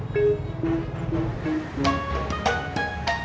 kalian aco belajr ya jangan karnes